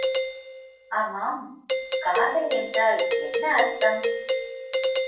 ஆமாம், காதல் என்றால் என்ன அர்த்தம்?